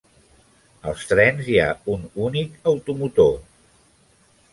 Als trens hi ha un únic automotor.